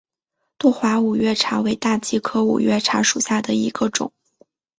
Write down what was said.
多花五月茶为大戟科五月茶属下的一个种。